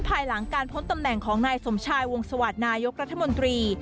ภายหลังการพ้นตำแหน่งของนายสมชายวงสวัสดิ์นายกรัฐมนตรี